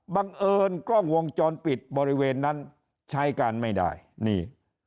บังเอิญกล้องวงจรปิดบริเวณนั้นใช้การไม่ได้นี่